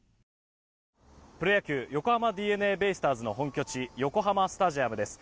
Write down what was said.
プロ野球横浜ＤｅＮＡベイスターズの本拠地横浜スタジアムです。